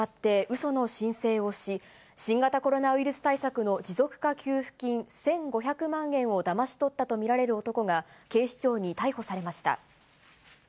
その申請をし、新型コロナウイルス対策の持続化給付金１５００万円をだまし取ったと見られる男が、警視庁に逮捕されました。